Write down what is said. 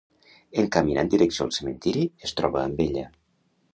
En caminar en direcció al cementiri, es troba amb ella.